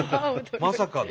まさかの。